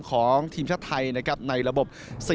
ของทีมชาติไทยในระบบ๔๓๓